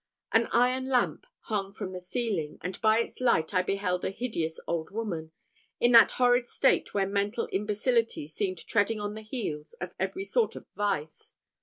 An iron lamp hung from the ceiling, and by its light I beheld a hideous old woman, in that horrid state where mental imbecility seemed treading on the heels of every sort of vice.